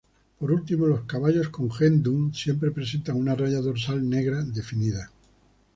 Por último, los caballos con gen dun siempre presentan una raya dorsal negra definida.